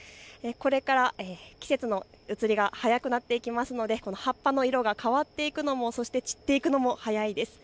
これから季節のうつりが早くなっていきますので葉っぱの色が変わっていくのもそして散っていくのも早いです。